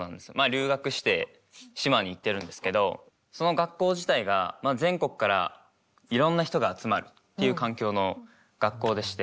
留学して島に行ってるんですけどその学校自体が全国からいろんな人が集まるっていう環境の学校でして。